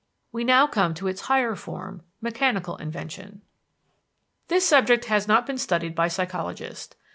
We now come to its higher form, mechanical invention. This subject has not been studied by psychologists.